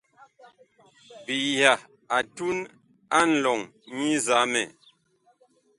Biyiha a tun a nlɔŋ nyi nzamɛ.